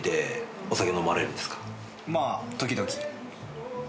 まあ時々。